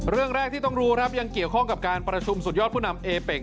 เรื่องแรกที่ต้องรู้ครับยังเกี่ยวข้องกับการประชุมสุดยอดผู้นำเอเป็ก